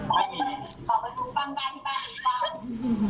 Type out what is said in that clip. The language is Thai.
ไม่มี